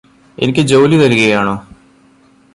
എനിക്ക് ജോലി തരുകയാണോ